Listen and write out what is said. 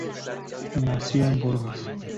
Nació en Burgos.